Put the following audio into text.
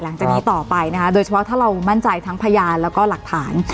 หลังจากนี้ต่อไปนะคะโดยเฉพาะถ้าเรามั่นใจทั้งพยานแล้วก็หลักฐาน